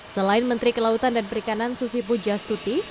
selain menteri kelautan dan berikanan susi pujiastuti